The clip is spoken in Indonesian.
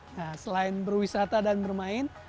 nah selain berwisata dan bermain